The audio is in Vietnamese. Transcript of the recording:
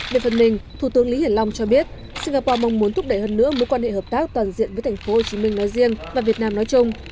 về phần mình thủ tướng lý hiển long cho biết singapore mong muốn thúc đẩy hơn nữa mối quan hệ hợp tác toàn diện với thành phố hồ chí minh nói riêng và việt nam nói chung